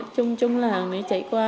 trong trong làng này chạy qua